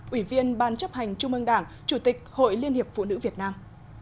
ủy viên ban chấp hành trung ương đảng chủ tịch hội liên hiệp phụ nữ việt nam